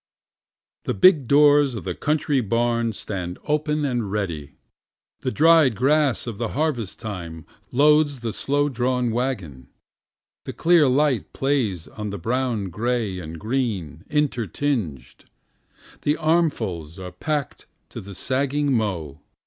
9 The big doors of the country barn stand open and ready, The dried grass of the harvest time loads the slow drawn wagon, The clear light plays on the brown gray and green intertinged, The armfuls are pack'd to the sagging mow.